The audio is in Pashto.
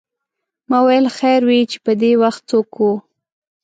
ما ویل خیر وې چې پدې وخت څوک و.